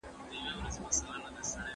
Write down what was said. د لویې جرګي بحثونه کله تودېږي؟